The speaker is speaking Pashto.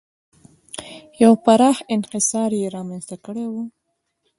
یو پراخ انحصار یې رامنځته کړی و.